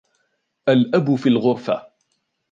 الأب في الغرفة.